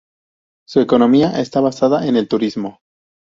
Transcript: Su economía está basada en el turismo.